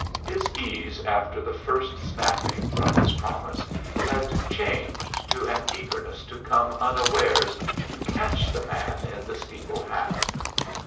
His ease after the first snapping from his promise had changed to an eagerness to come unawares and catch the man in the steeple hat.